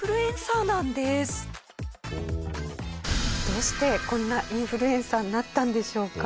どうしてこんなインフルエンサーになったんでしょうか？